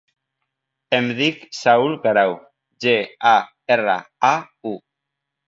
Em dic Saül Garau: ge, a, erra, a, u.